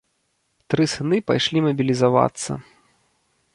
Тры сыны пайшлі мабілізавацца.